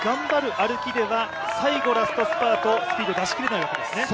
歩きでは最後ラストスパート、スピード出しきれないわけですね。